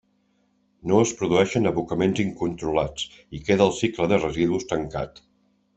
No es produeixen abocaments incontrolats, i queda el cicle de residus tancat.